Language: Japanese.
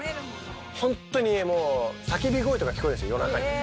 本当に叫び声とか聞こえるんですよ、夜中に。